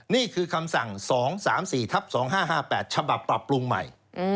นี่คือคำสั่ง๒๓๔ทับ๒๕๕๘ฉบับปรับปรุงใหม่